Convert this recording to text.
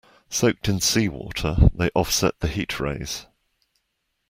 Soaked in seawater they offset the heat rays.